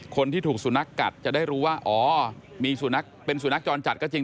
คนที่ถูกสุนัขกัดจะได้รู้ว่าอ๋อมีสุนัขเป็นสุนัขจรจัดก็จริง